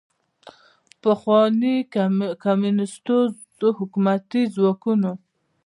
د پخواني کمونیستي حکومت ځواکونو